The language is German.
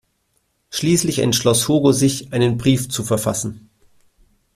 Schließlich entschloss Hugo sich, einen Brief zu verfassen.